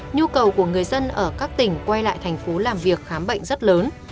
nhu cầu của người dân ở các tỉnh quay lại thành phố làm việc khám bệnh rất lớn